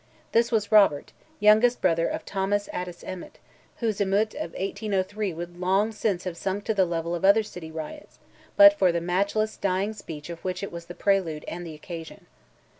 This was Robert, youngest brother of Thomas Addis Emmet, whose emeute of 1803 would long since have sunk to the level of other city riots, but for the matchless dying speech of which it was the prelude and the occasion.